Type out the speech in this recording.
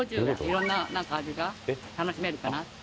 色んな味が楽しめるかな。